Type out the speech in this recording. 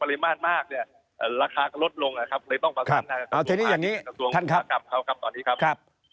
เอาทีนี้อย่างนี้ท่านครับ